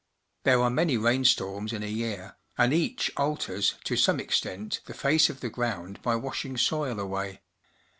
There are many rainstorms in a year, and each alters, to some extent, the face of the ground by washing soil away.